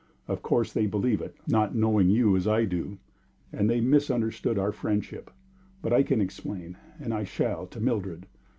Of course they believed it, not knowing you as I do, and they misunderstood our friendship. But I can explain, and I shall, to Mildred.